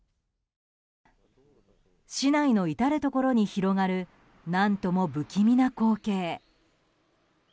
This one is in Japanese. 市内の至るところに広がる何とも不気味な光景。